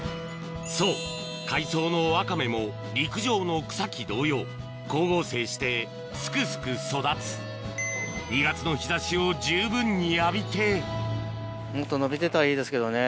そう海藻のワカメも陸上の草木同様光合成してすくすく育つ２月の日差しを十分に浴びてもっと伸びてたらいいですけどね。